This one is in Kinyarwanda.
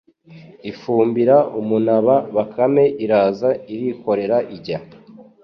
ifumbira umunaba Bakame iraza irikorera ijya